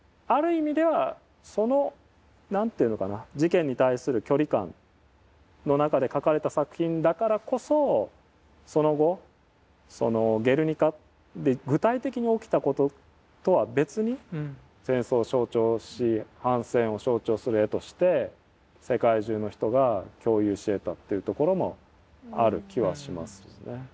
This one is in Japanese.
意味ではその何ていうのかな事件に対する距離感の中で描かれた作品だからこそその後そのゲルニカで具体的に起きたこととは別に戦争を象徴し反戦を象徴する絵として世界中の人が共有しえたというところもある気はしますね。